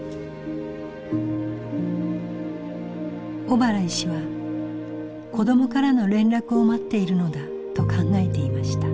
小原医師は「子どもからの連絡を待っているのだ」と考えていました。